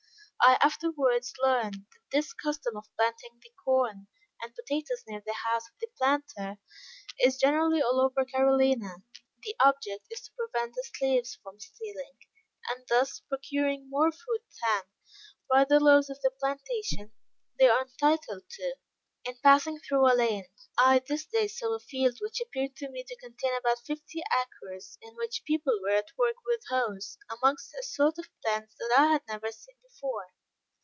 I afterwards learned that this custom of planting the corn and potatoes near the house of the planter, is generally all over Carolina. The object is to prevent the slaves from stealing, and thus procuring more food than, by the laws of the plantation, they are entitled to. In passing through a lane, I this day saw a field which appeared to me to contain about fifty acres, in which people were at work with hoes, amongst a sort of plants that I had never seen before.